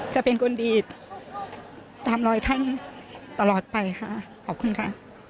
จะเป็นคนดีตามรอยท่านตลอดไปค่ะขอบคุณค่ะ